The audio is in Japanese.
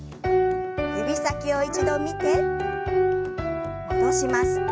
指先を一度見て戻します。